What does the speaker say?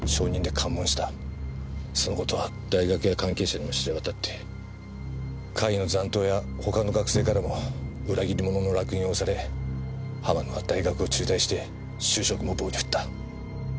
その事は大学や関係者にも知れ渡って会の残党や他の学生からも裏切り者の烙印を押され浜野は大学を中退して就職も棒に振った。